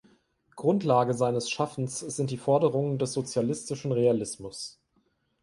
Grundlage seines Schaffens sind die Forderungen des Sozialistischen Realismus.